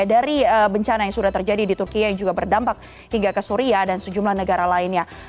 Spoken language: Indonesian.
dari bencana yang sudah terjadi di turki yang juga berdampak hingga ke suria dan sejumlah negara lainnya